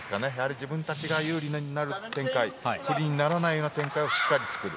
自分たちが有利になる展開不利にならないような展開をしっかり作る。